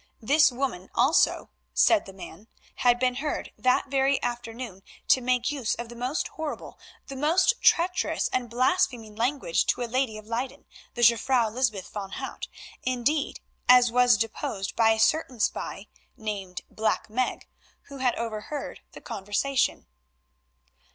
This woman also, so said the man, had been heard that very afternoon to make use of the most horrible, the most traitorous and blaspheming language to a lady of Leyden, the Jufvrouw Lysbeth van Hout, indeed; as was deposed by a certain spy named Black Meg, who had overheard the conversation.